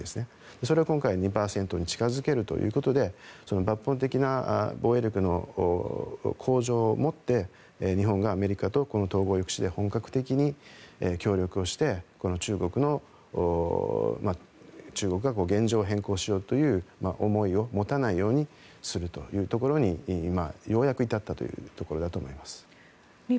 それを今回２％に近づけるということで抜本的な防衛力の向上を持って日本がアメリカと統合抑止で本格的に協力をして中国が現状を変更しようという思いを持たないようにするというところに今、ようやく立ったというところだと思います。